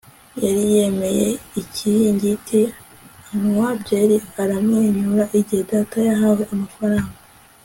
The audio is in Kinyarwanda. yari yemeye ikiringiti, anywa byeri aramwenyura igihe data yahawe amafaranga